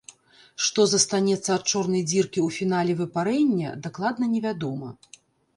Што застанецца ад чорнай дзіркі ў фінале выпарэння, дакладна не вядома.